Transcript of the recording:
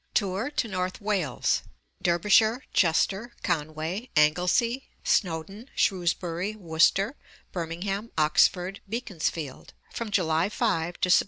Tour to North Wales (Derbyshire, Chester, Conway, Anglesey, Snowdon, Shrewsbury, Worcester, Birmingham, Oxford, Beaconsfield) from July 5 to Sept.